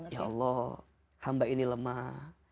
ya allah hamba ini lemah